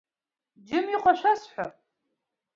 Џьым, иҟоу шәасҳәап!